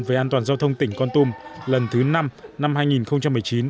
về an toàn giao thông tỉnh con tum lần thứ năm năm hai nghìn một mươi chín